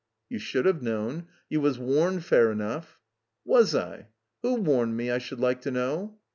"You should have known. You was warned fair enough." "Was I? Who warned me, I should like to know?"